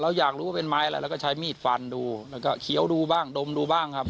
อยากรู้ว่าเป็นไม้อะไรเราก็ใช้มีดฟันดูแล้วก็เคี้ยวดูบ้างดมดูบ้างครับ